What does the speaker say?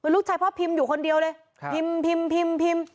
ลูกชายพ่อพิมอยู่คนเดียวเลยพิม